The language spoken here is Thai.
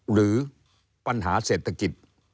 หรือปัญหาเศรษฐกิจ